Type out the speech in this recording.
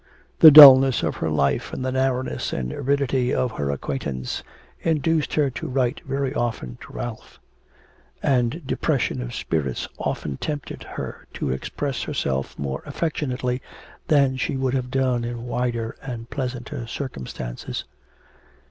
The dullness of her life and the narrowness and aridity of her acquaintance induced her to write very often to Ralph, and depression of spirits often tempted her to express herself more affectionately than she would have done in wider and pleasanter circumstances.